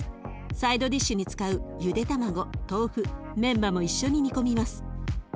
サイドディッシュに使うゆで卵豆腐メンマも一緒に煮込みます。